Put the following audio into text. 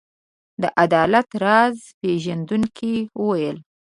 د عدالت راز پيژندونکو وویل.